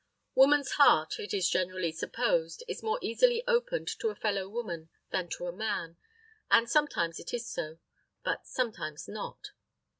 Woman's heart, it is generally supposed, is more easily opened to a fellow woman than to a man; and sometimes it is so, but sometimes not.